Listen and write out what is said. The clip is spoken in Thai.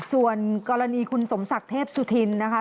ส่วนกรณีคุณสมศักดิ์เทพสุธินนะคะ